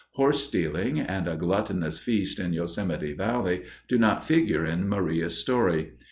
Horse stealing and a gluttonous feast in Yosemite Valley do not figure in Maria's story.